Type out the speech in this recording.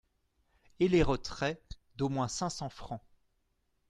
et les retraits, d'au moins cinq cents fr.